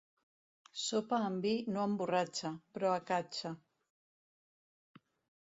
Sopa amb vi no emborratxa, però acatxa.